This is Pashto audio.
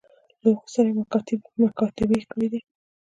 له هغوی سره یې مکاتبې کړي دي.